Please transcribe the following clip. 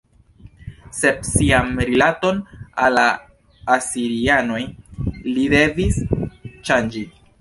Sed sian rilaton al la asirianoj li devis ŝanĝi.